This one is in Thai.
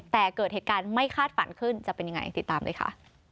แต่เกิดเหตุการณ์ไม่คาดฝันขึ้นจะเป็นยังไงติดตามเลยค่ะ